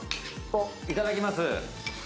いただきます。